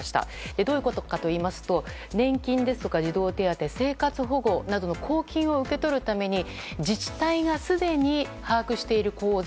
どういうことかといいますと年金ですとか児童手当生活保護などの公金を受け取るために自治体がすでに把握している口座